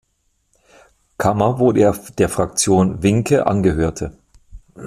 Kammer, wo er der Fraktion Vincke angehörte.